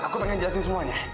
aku pengen jelasin semuanya